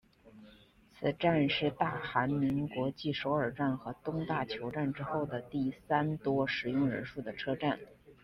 此站是大韩民国继首尔站和东大邱站之后第三多使用人数的车站。